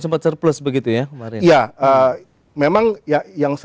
sempat surplus begitu ya ya memang yang surplus adalah apa namanya raca perdagangannya ya pak ya